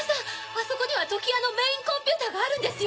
あそこにはＴＯＫＩＷＡのメインコンピューターがあるんですよ